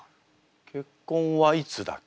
結婚はいつだっけ？